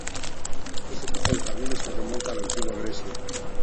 Este tipo de jardines se remonta a la Antigua Grecia.